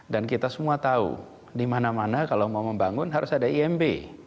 dan kita semua tahu di mana mana kalau mau membangun harus ada imb